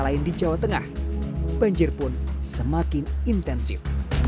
selain di jawa tengah banjir pun semakin intensif